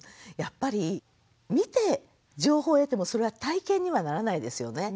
やっぱり見て情報を得てもそれは体験にはならないですよね。